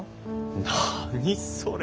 何それ。